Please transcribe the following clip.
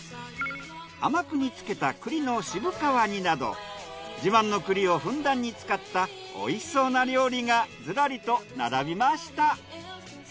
甘く煮付けた栗の渋皮煮など自慢の栗をふんだんに使ったおいしそうな料理がずらりと並びました。